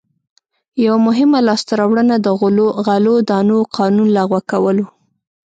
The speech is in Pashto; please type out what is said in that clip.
یوه مهمه لاسته راوړنه د غلو دانو قانون لغوه کول و.